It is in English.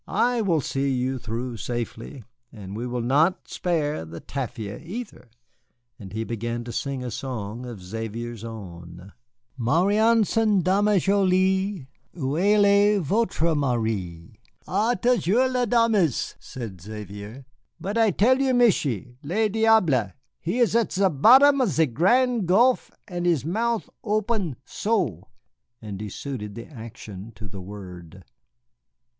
I will see you through safely, and we will not spare the tafia either." And he began to sing a song of Xavier's own: "'Marianson, dame jolie, Où est allé votre mari?'" "Ah, toujours les dames!" said Xavier. "But I tell you, Michié, le diable, he is at ze bottom of ze Grand Gulf and his mouth open so." And he suited the action to the word.